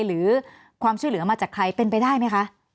หรือความช่วยเหลือมาจากใครเป็นไปได้ไหมคะ